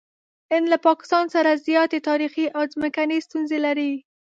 هند له پاکستان سره زیاتې تاریخي او ځمکني ستونزې لري.